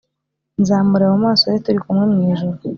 nzamureba mu maso ye, turi kumwe mw ijuru;